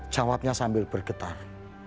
jawabnya sambil bergetar